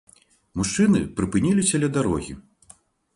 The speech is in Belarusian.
Мужчыны прыпыніліся ля дарогі.